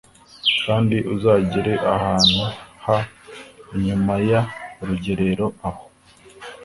Kandi uzagire ahantu h inyuma y urugerero aho